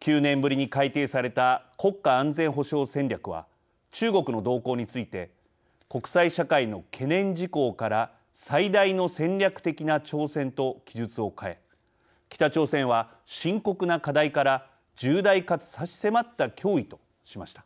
９年ぶりに改定された国家安全保障戦略は中国の動向について「国際社会の懸念事項」から「最大の戦略的な挑戦」と記述を変え北朝鮮は「深刻な課題」から「重大かつ差し迫った脅威」としました。